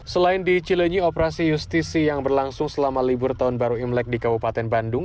selain di cilenyi operasi justisi yang berlangsung selama libur tahun baru imlek di kabupaten bandung